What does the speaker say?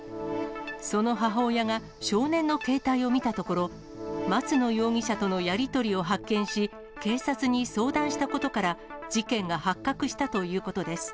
その母親が少年の携帯を見たところ、松野容疑者とのやり取りを発見し、警察に相談したことから、事件が発覚したということです。